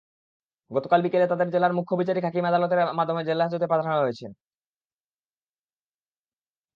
গতকাল বিকেলে তাঁদের জেলার মুখ্য বিচারিক হাকিমের আদালতের মাধ্যমে জেলহাজতে পাঠানো হয়েছে।